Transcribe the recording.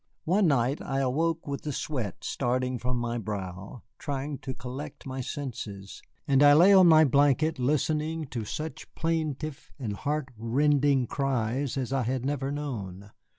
One night I awoke with the sweat starting from my brow, trying to collect my senses, and I lay on my blanket listening to such plaintive and heart rending cries as I had never known.